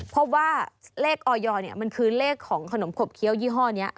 เพราะว่าเลขออยมันคือเลขของขนมขบเคี้ยวยี่ห้อนี้